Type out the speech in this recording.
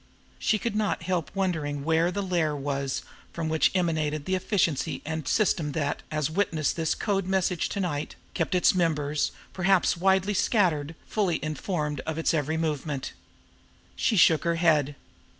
She could not help wondering where the lair was from which emanated the efficiency and system that, as witness this code message to night, kept its members, perhaps widely scattered, fully informed of its every movement. She shook her head.